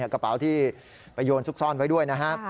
กระเป๋าที่ไปโยนซุกซ่อนไว้ด้วยนะฮะ